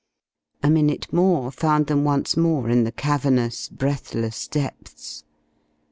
A minute more found them once more in the cavernous, breathless depths.